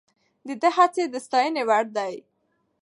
د ده هڅې د ستاینې وړ دي.